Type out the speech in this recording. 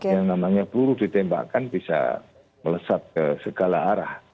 yang namanya peluru ditembakkan bisa melesat ke segala arah